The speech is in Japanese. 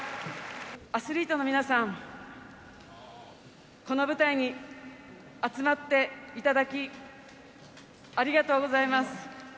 アスリートの皆さん、この舞台に集まっていただき、ありがとうございます。